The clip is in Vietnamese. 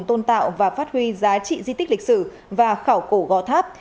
tôn tạo và phát huy giá trị di tích lịch sử và khảo cổ gò tháp